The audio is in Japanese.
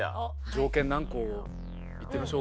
「条件何個」いってみましょうか。